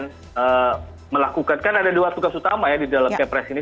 dan melakukan kan ada dua tugas utama ya di dalam kepres ini